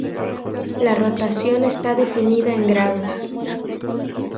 La rotación está definida en grados.